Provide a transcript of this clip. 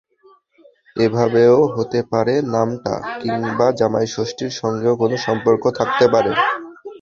এভাবেও হতে পারে নামটা, কিংবা জামাইষষ্ঠীর সঙ্গেও কোনো সম্পর্ক থাকতে পারে।